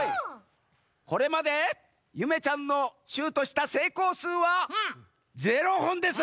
これまでゆめちゃんのシュートしたせいこうすうはゼロほんです。